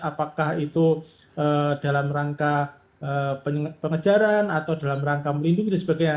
apakah itu dalam rangka pengejaran atau dalam rangka melindungi dan sebagainya